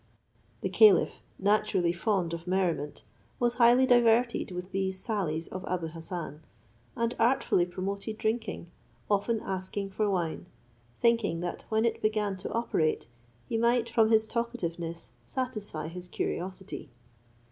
'" The caliph, naturally fond of merriment, was highly diverted with these sallies of Abou Hassan, and artfully promoted drinking, often asking for wine, thinking that when it began to operate, he might from his talkativeness satisfy his curiosity.